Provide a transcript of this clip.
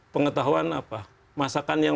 pengetahuan apa masakan yang